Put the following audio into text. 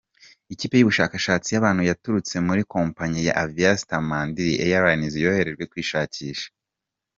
Ikipe y’ubushakashatsi y’abantu baturutse muri kompanyi ya Aviastar Mandiri airline yoherejwe kuyishakisha .